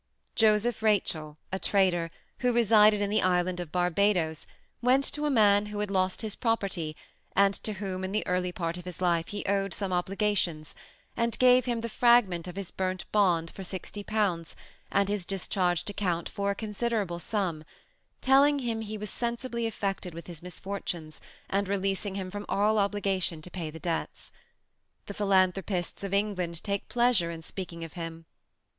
Joseph Rachel, a trader, who resided in the island of Barbadoes went to a man who had lost his property and to whom in the early part of his life he owed some obligations and gave him the fragment of his burnt bond for £60 and his discharged account for a considerable sum, telling him he was sensibly affected with his misfortunes and releasing him from all obligation to pay the debts. The philanthropists of England take pleasure in speaking of him.